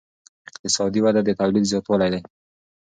اقتصادي وده د تولید زیاتوالی دی.